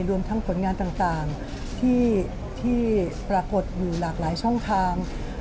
รวมทั้งผลงานต่างที่ปรากฏอยู่หลากหลายช่องทาง